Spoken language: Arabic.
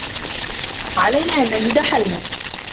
علينا أن نجد حلاّ.